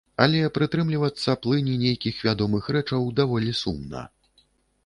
Але прытрымлівацца плыні нейкіх вядомых рэчаў даволі сумна.